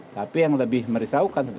tapi yang lebih merisaukan